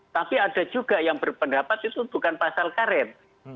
tapi ada juga yang berpendapat itu bukan pasal karet